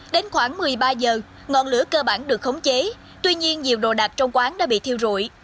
đến khoảng một mươi ba h ngọn lửa cơ bản được khống chế tuy nhiên nhiều đồ đạc trong quán đã bị thiêu rụi